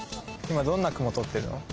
今どんな雲とってるの？